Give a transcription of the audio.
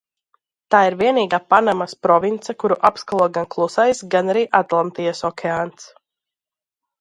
Tā ir vienīgā Panamas province, kuru apskalo gan Klusais, gan arī Atlantijas okeāns.